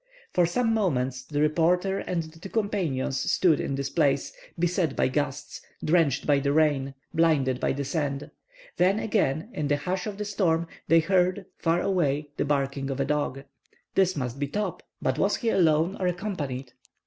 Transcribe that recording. For some moments the reporter and his two companions stood in this place, beset by the gusts, drenched by the rain, blinded by the sand. Then again, in the hush of the storm, they heard, far away, the barking of a dog. This must be Top. But was he alone or accompanied?